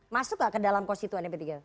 masuk gak ke dalam konstituennya p tiga